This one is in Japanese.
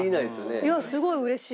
いやすごいうれしい。